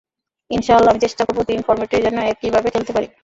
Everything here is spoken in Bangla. ইনশা আল্লাহ, আমি চেষ্টা করব তিন ফরম্যাটেই যেন একইভাবে খেলতে পারি।